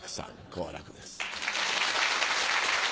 好楽です。